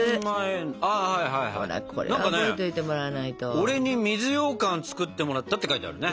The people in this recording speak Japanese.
俺に水ようかん作ってもらったって書いてあるね。